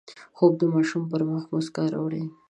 خوب د ماشوم پر مخ مسکا راوړي